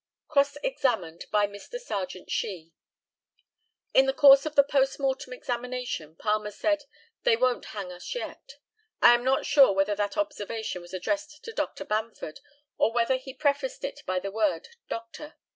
Cross examined by Mr. Serjeant SHEE: In the course of the post mortem examination Palmer said, "They won't hang us yet." I am not sure whether that observation was addressed to Dr. Bamford, or whether he prefaced it by the word "Doctor."